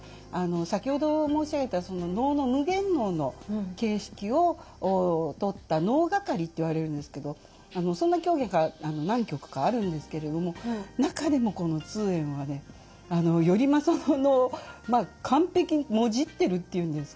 先ほど申し上げた能の夢幻能の形式をとった能掛りって言われるんですけどそんな狂言が何曲かあるんですけれども中でもこの「通圓」はね「頼政」の完璧にもじってるって言うんですかね